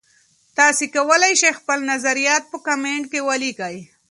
تاسي کولای شئ خپل نظریات په کمنټ کې ولیکئ.